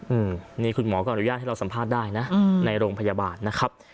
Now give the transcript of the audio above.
อืมนี่คุณหมอก็อนุญาตให้เราสัมภาษณ์ได้นะอืมในโรงพยาบาลนะครับ